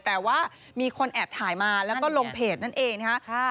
แต่ว่ามีคนแอบถ่ายมาแล้วก็ลงเพจนั่นเองนะคะ